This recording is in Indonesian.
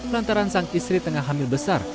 lantaran sang istri tengah hamil besar